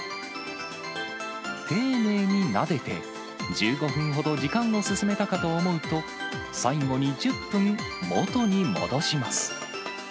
丁寧になでて、１５分ほど時間を進めたかと思うと、最後に１０分、元に戻します。